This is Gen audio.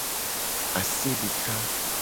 Ase deka.